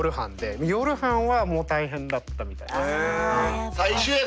夜班はもう大変だったみたいです。